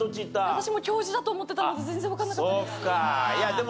私も教授だと思ってたので全然わからなかったです。